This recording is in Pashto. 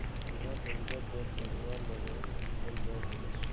افغان تولیدات باید په نړیوالو بازارونو کې خپل ځای پیدا کړي.